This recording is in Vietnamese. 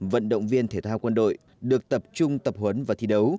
vận động viên thể thao quân đội được tập trung tập huấn và thi đấu